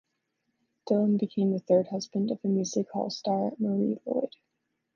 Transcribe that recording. Dillon became the third husband of the Music Hall star Marie Lloyd.